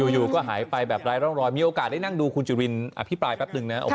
อยู่ก็หายไปแบบไร้ร่องรอยมีโอกาสได้นั่งดูคุณจุรินอภิปรายแป๊บนึงนะ